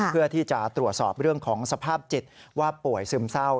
เพื่อที่จะตรวจสอบเรื่องของสภาพจิตว่าป่วยซึมเศร้า